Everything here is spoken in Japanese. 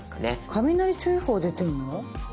雷注意報出てるの？